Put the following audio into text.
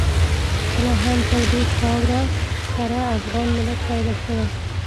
کله هم پر دې خاورینه کره افغان ملت پیدا شوی.